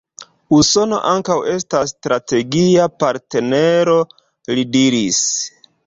Usono ankaŭ estas strategia partnero, li diris.